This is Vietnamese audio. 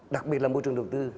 đặc biệt là môi trường đầu tư